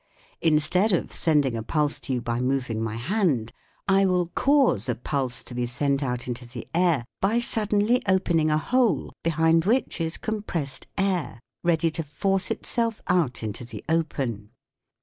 Instead of sending a pulse to you by moving my hand, I will cause a pulse to be sent out into the air by suddenly open ^ ing a hole behind which is com pressed air ready to force itself out into the open.